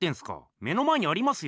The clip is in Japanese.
目の前にありますよ。